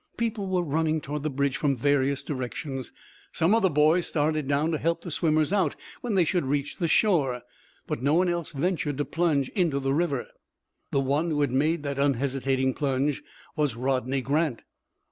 People were running toward the bridge from various directions. Some of the boys started down to help the swimmers out when they should reach the shore; but no one else ventured to plunge into the river. The one who had made that unhesitating plunge was Rodney Grant.